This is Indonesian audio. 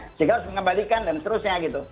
sehingga harus mengembalikan dan seterusnya gitu